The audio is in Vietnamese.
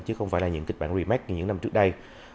chứ không phải là những kịch bản remec như những năm trước đây